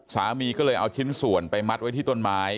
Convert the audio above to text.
สามีก็เลยเอาชิ้นส่วนไปมัดไว้ที่ต้นไม้